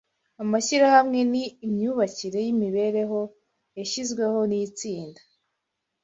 amashyirahamwe ni imyubakire yimibereho yashizweho nitsinda